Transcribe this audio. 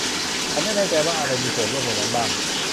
ฉันไม่แน่ใจว่าอะไรมีส่วนร่วมในนั้นบ้าง